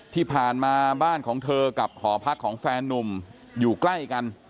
ที่ผ่านมาบ้านของเธอกับหอพักของแฟนนุ่มอยู่ใกล้กัน